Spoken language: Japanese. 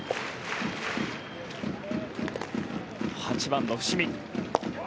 ８番の伏見。